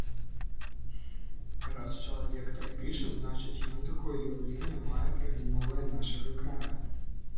Раз чалавек так піша, значыць, ён такое ўяўленне мае пра мінулае нашага краю.